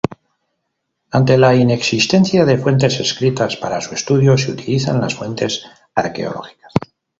Ante la inexistencia de fuentes escritas, para su estudio se utilizan las fuentes arqueológicas.